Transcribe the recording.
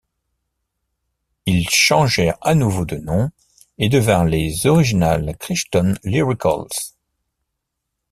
Ils changèrent à nouveau de nom et devinrent les Original Crichton Lyricals.